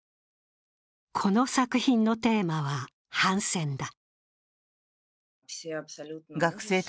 この作品のテーマは「反戦」だ。